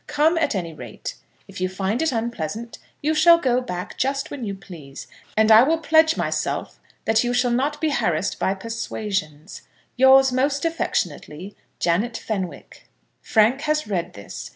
Come at any rate. If you find it unpleasant you shall go back just when you please, and I will pledge myself that you shall not be harassed by persuasions. Yours most affectionately, JANET FENWICK. Frank has read this.